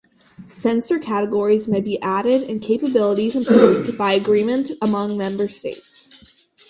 Sensor categories may be added and capabilities improved by agreement among member states.